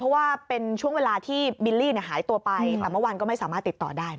เพราะว่าเป็นช่วงเวลาที่บิลลี่หายตัวไปแต่เมื่อวานก็ไม่สามารถติดต่อได้